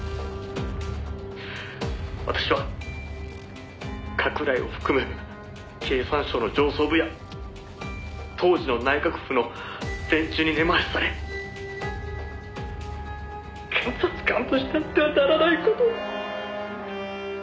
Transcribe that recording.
「私は加倉井を含む経産省の上層部や当時の内閣府の連中に根回しされ」「検察官としてあってはならない事を」